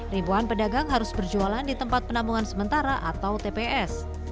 ribuan pedagang harus berjualan di tempat penampungan sementara atau tps